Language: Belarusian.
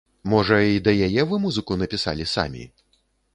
Можа, і да яе вы музыку напісалі самі?